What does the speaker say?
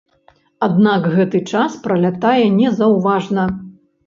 Аднак гэты час пралятае незаўважна.